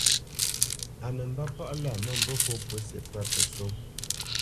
Á nə mbə̄ palá mə̂mbû pô pǔsi pə́ pəsó.